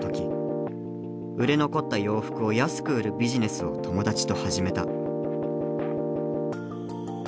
売れ残った洋服を安く売るビジネスを友達と始めた。